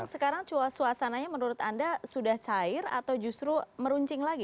sekarang suasananya menurut anda sudah cair atau justru meruncing lagi